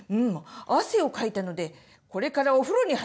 汗をかいたのでこれからお風呂に入ろう。